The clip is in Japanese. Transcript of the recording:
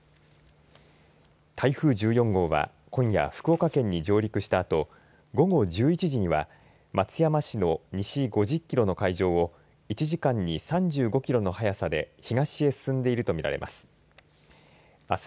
台風１４号は今夜、福岡県に上陸したあと午後１１時には松山市の西５０キロの海上を１時間に３５キロの速さで東へ進んでいるとみられます。